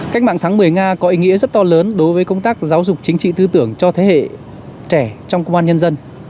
cách mạng tháng một mươi nga có ý nghĩa rất to lớn đối với công tác giáo dục chính trị tư tưởng cho thế hệ trẻ trong công an nhân dân